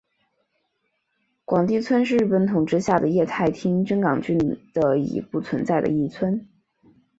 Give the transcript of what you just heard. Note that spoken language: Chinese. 广地村是日本统治下的桦太厅真冈郡的已不存在的一村。